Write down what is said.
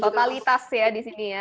totalitas ya di sini ya